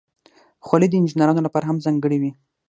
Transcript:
خولۍ د انجینرانو لپاره هم ځانګړې وي.